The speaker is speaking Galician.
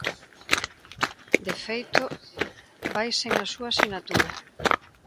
De feito, vai sen a súa sinatura.